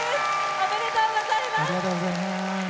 ありがとうございます。